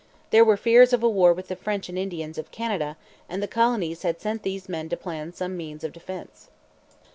There were fears of a war with the French and Indians of Canada, and the colonies had sent these men to plan some means of defence.